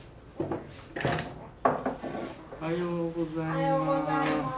おはようございます。